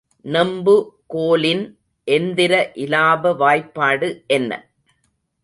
நெம்பு கோலின் எந்திர இலாப வாய்பாடு என்ன?